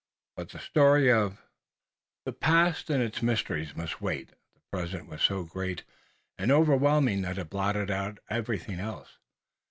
But the story of the past and its mysteries must wait. The present was so great and overwhelming that it blotted out everything else.